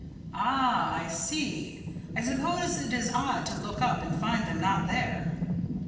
"Ah, I see! I suppose it is odd to look up and find them not there."